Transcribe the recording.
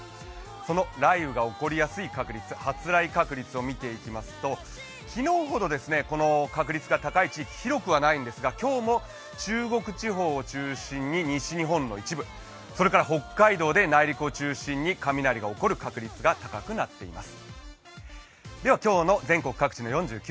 その雷雨が起こりやすい確率、発雷確率を見ていきますと昨日ほど確率が高い地域広くはないんですが今日も中国地方を中心に西日本の一部、それから北海道で内陸を中心に雷が起こる確率が高くなっています。